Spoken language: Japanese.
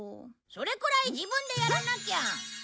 それくらい自分でやらなきゃ！